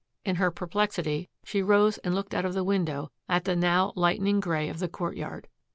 In her perplexity, she rose and looked out of the window at the now lightening gray of the courtyard.